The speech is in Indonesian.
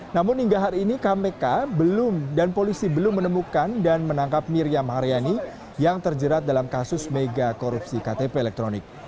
namun hingga hari ini kpk belum dan polisi belum menemukan dan menangkap miriam haryani yang terjerat dalam kasus mega korupsi ktp elektronik